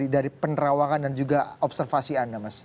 dari penerawangan dan juga observasi anda mas